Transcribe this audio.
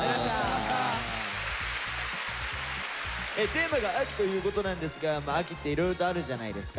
テーマが「秋」ということなんですが「秋」っていろいろとあるじゃないですか。